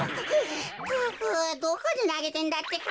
くどこになげてんだってか。